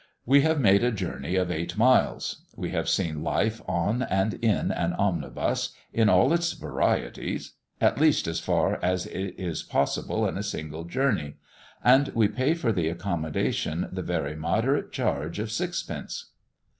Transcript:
We have made a journey of eight miles. We have seen life on and in an omnibus, in all its varieties; at least, as far as it is possible in a single journey; and we pay for the accommodation the very moderate charge of sixpence.